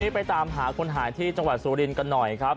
มานี้ไปหาคนหายที่จังหวัดสุรินกะหน่อยครับ